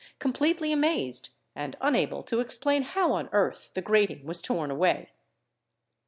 completely amazed and unable to explain how on earth the grating was torn away.